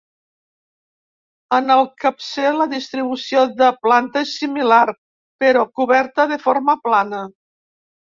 En el capcer la distribució de planta és similar, però, coberta de forma plana.